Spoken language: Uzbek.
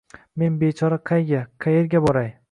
men bechora qayga… qaerga boray?